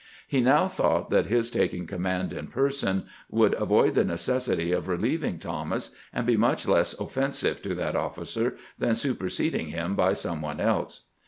He now thought that his taking command in person would avoid the necessity of reliev ing Thomas, and be much less offensive to that officer than superseding him by some one else.